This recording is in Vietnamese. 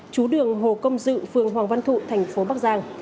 chú đường hồ công dự phường hoàng văn thụ thành phố bắc giang